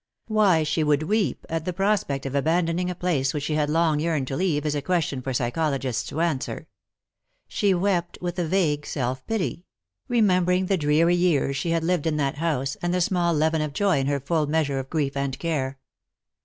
Why she should weep at the prospect of aban doning a place which she had long yearned to leave is a question for psychologists to answer. She wept with a vague self pity ; remembering the dreary years she had lived in that house, and the small leaven of joy in her full measure of grief and care.